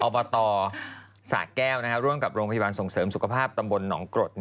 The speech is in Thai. อบตสะแก้วร่วมกับโรงพยาบาลส่งเสริมสุขภาพตำบลหนองกรด